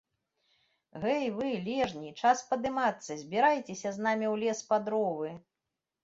- Гэй вы, лежні, час падымацца, збірайцеся з намі ў лес па дровы!